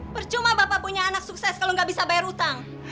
percuma bapak punya anak sukses kalau nggak bisa bayar utang